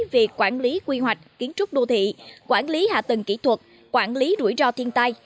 về quản lý quy hoạch kiến trúc đô thị quản lý hạ tầng kỹ thuật quản lý rủi ro thiên tai